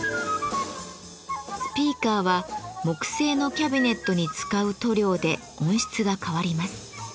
スピーカーは木製のキャビネットに使う塗料で音質が変わります。